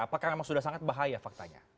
apakah memang sudah sangat bahaya faktanya